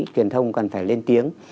truyền thông cần phải lên tiếng